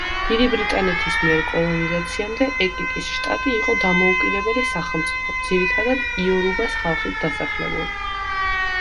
დიდი ბრიტანეთის მიერ კოლონიზაციამდე ეკიტის შტატი იყო დამოუკიდებელი სახელმწიფო, ძირითადად იორუბას ხალხით დასახლებული.